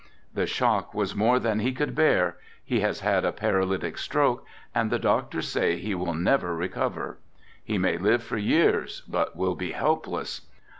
The shock was more than he could bear, he has had a paralytic stroke and the doctors say he will never recover. He may live for years but will be helpless.